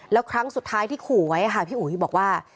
แล้วครั้งสุดท้ายที่ขู่ไว้ค่ะพี่อุ๋ยบอกว่า